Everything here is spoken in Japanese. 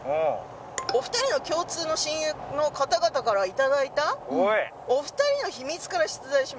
「お二人の共通の親友の方々から頂いた“お二人の秘密”から出題します」